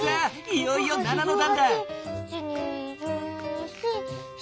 いよいよ７のだんだ！